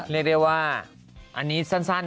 เรียกได้ว่าอันนี้สั้น